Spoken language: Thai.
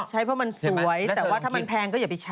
ใช้เพราะมันสวยแต่ว่าถ้ามันแพงก็อย่าไปใช้